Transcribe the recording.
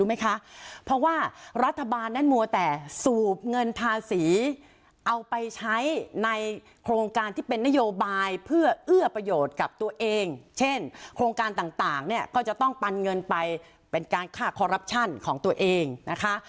หรือเอาไปใช้ในโครงการที่เป็นนโยบายเพื่อเอื้อประโยชน์กับตัวเองเช่นโครงการต่างเนี่ยก็จะต้องปันเงินไปเป็นการฆ่าคอรับชั่นของตัวเองนะคะ